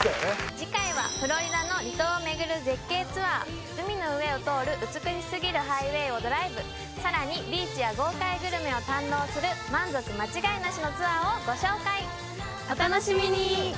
次回はフロリダの離島を巡る絶景ツアー海の上を通る美しすぎるハイウェイをドライブさらにビーチや豪快グルメを堪能する満足間違いなしのツアーをご紹介お楽しみに！